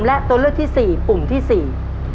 และตัวเลือกที่สี่ปุ่มที่สี่